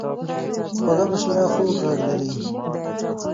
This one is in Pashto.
خوږه مشوره خوږ غږ لري.